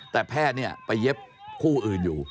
แต่แพทย์ไปเย็บคู่อื่นอยู่